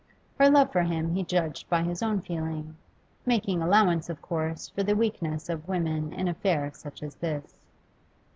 Her love for him he judged by his own feeling, making allowance, of course, for the weakness of women in affairs such as this.